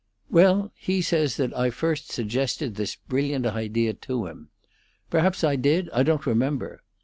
"Well, he says that I first suggested this brilliant idea to him. Perhaps I did; I don't remember.